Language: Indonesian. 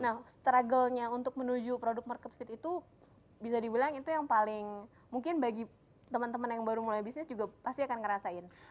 nah struggle nya untuk menuju produk market feet itu bisa dibilang itu yang paling mungkin bagi teman teman yang baru mulai bisnis juga pasti akan ngerasain